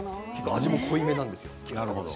味も濃いめなんですよ。